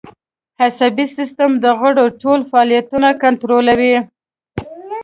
عصبي سیستم د غړو ټول فعالیتونه کنترولوي